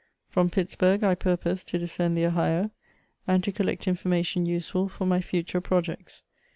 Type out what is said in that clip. From Pittsburg I purposed to descend the Ohio, and to collect information useful for my future projects.